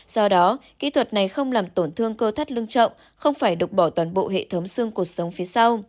do đó kỹ thuật này không làm tổn thương cơ thắt lương trộng không phải đục bỏ toàn bộ hệ thống xương cuộc sống phía sau